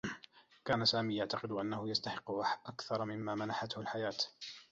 كان سامي يعتقد أنّه يستحقّ أكثر ممّا منحته الحياة.